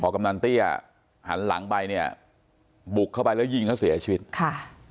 กำนันเตี้ยหันหลังไปเนี่ยบุกเข้าไปแล้วยิงเขาเสียชีวิตค่ะ